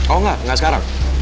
oh enggak enggak sekarang